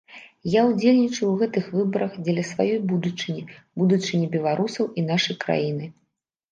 Я ўдзельнічаю ў гэтых выбарах дзеля сваёй будучыні, будучыні беларусаў і нашай краіны.